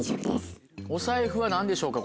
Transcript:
お財布は何でしょうか？